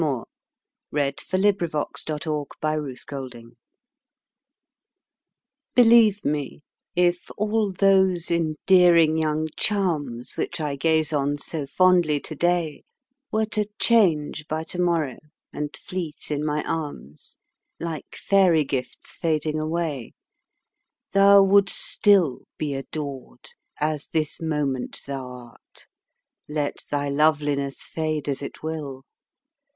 BELIEVE ME IF ALL THOSE ENDEARING YOUNG CHARMS. Believe me, if all those endearing young charms, Which I gaze on so fondly today, Were to change by to morrow, and fleet in my arms, Like fairy gifts fading away, Thou wouldst still be adored, as this moment thou art. Let thy loveliness fade as it will.